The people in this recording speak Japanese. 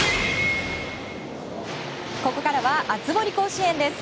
ここからは熱盛甲子園です。